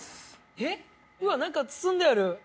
えっうわ何か包んである。